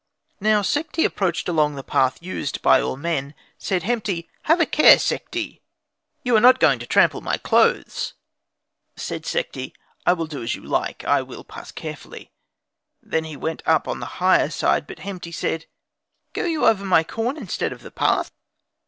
Now Sekhti approached along the path used by all men. Said Hemti, "Have a care, Sekhti! you are not going to trample on my clothes!" Said Sekhti, "I will do as you like, I will pass carefully." Then went he up on the higher side. But Hemti said, "Go you over my corn, instead of the path?"